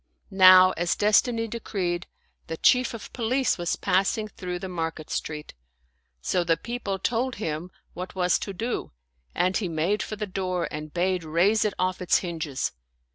Now as Destiny decreed, the Chief of Police was passing through the market street ; so the people told him what was to do and he made for the door and bade raise it off its hinges.